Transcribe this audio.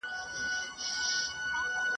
د بهوئين لمانځنه په هر کور کي کېدله